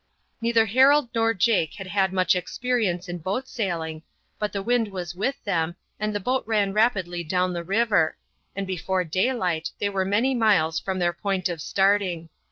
Neither Harold nor Jake had had much experience in boat sailing, but the wind was with them and the boat ran rapidly down the river, and before daylight they were many miles from their point of starting.